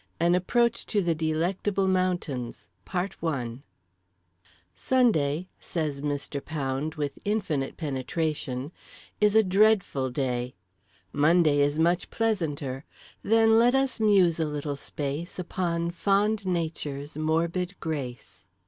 AN APPROACH TO THE DELECTABLE MOUNTAINS "Sunday (says Mr. Pound with infinite penetration) is a dreadful day, Monday is much pleasanter. Then let us muse a little space Upon fond Nature's morbid grace."